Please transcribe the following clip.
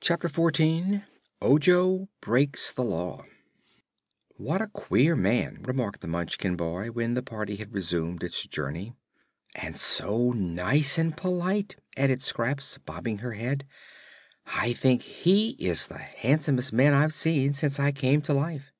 Chapter Fourteen Ojo Breaks the Law "What a queer man," remarked the Munchkin boy, when the party had resumed its journey. "And so nice and polite," added Scraps, bobbing her head. "I think he is the handsomest man I've seen since I came to life."